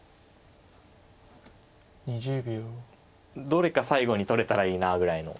どれか最後に取れたらいいなぐらいの。